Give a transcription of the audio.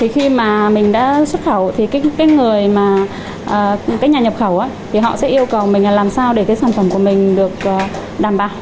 khi mình đã xuất khẩu nhà nhập khẩu sẽ yêu cầu mình làm sao để sản phẩm của mình được đảm bảo